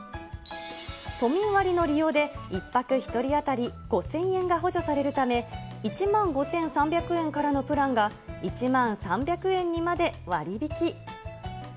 都民割の利用で１泊１人当たり５０００円が補助されるため、１万５３００円からのプランが、１万３００円にまで割り引き。